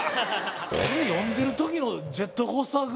それ読んでる時のジャットコースター具合